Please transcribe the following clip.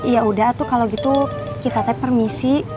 ya udah tuh kalau gitu kita tapi permisi